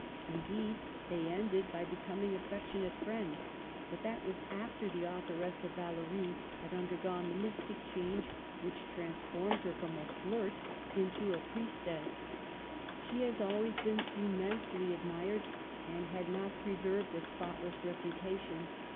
Indeed they 'ended by becoming affectionate friends ; but that was after the authoress of Valerie had undergone the mys tic change which transformed her from a flirt into a priestess. She had always been immensely admired, and had not preserved a spotless reputation.